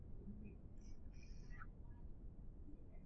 顾颉刚认为的少昊氏加入古史系统自刘歆始。